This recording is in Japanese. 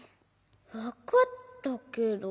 わかったけど。